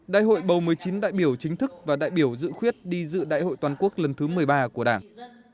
đại hội bầu một mươi chín đại biểu chính thức và đại biểu dự khuyết đi dự đại hội toàn quốc lần thứ một mươi ba của đảng